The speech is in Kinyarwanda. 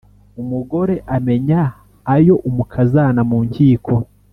Umugore amenya ayo umukazana mu nkiko,